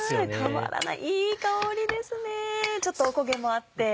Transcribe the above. たまらないいい香りですねちょっとおこげもあって。